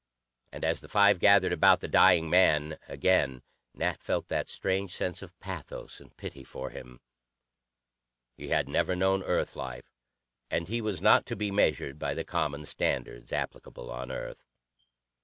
And, as the five gathered about the dying man, again Nat felt that strange sense of pathos and pity for him. He had never known Earth life, and he was not to be measured by the common standards applicable on Earth.